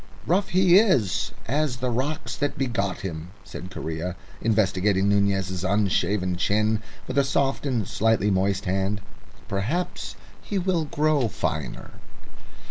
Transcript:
"Rough he is as the rocks that begot him," said Correa, investigating Nunez's unshaven chin with a soft and slightly moist hand. "Perhaps he will grow finer."